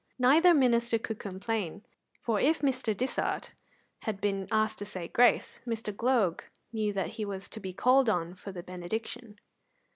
Neither minister could complain, for if Mr. Dishart had been asked to say grace, Mr. Gloag knew that he was to be called on for the benediction.